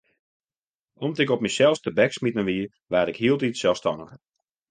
Om't ik op mysels tebeksmiten wie, waard ik hieltyd selsstanniger.